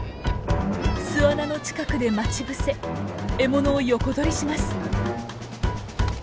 巣穴の近くで待ち伏せ獲物を横取りします。